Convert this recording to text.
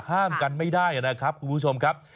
ห้ามกันไม่ได้นะครับคุณผู้ชมครับ